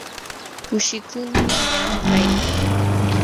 kushikuumi qam rayku.